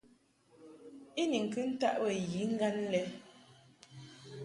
I ni ŋkɨ ntaʼ bə yiŋgan lɛ.